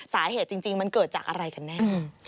สาเหตุจริงมันเกิดจากอะไรกันแน่